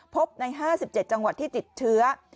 พบใน๕๗จังหวัดที่ติดเชื้อ